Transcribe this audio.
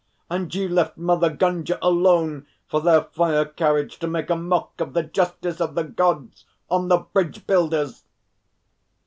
And ye left Mother Gunga alone for their fire carriage to make a mock of The Justice of the Gods on the bridge builders!"